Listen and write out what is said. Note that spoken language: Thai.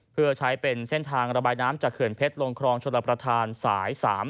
เพื่อใช้เป็นเส้นทางระบายน้ำจากเขื่อนเพชรลงครองชลประธานสาย๓๐